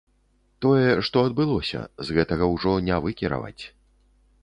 Тое, што адбылося, з гэтага ўжо не выкіраваць.